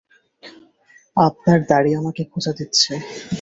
আপনার দাড়ি আমাকে খোঁচা দিচ্ছে।